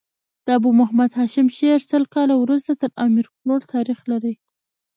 د ابو محمد هاشم شعر سل کاله وروسته تر امیر کروړ تاريخ لري.